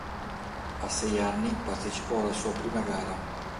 A sei anni partecipò alla sua prima gara.